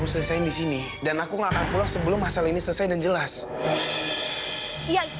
selesai disini dan aku nggak akan pulang sebelum masalah ini selesai dan jelas ya